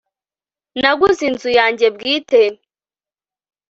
naguze inzu yanjye bwite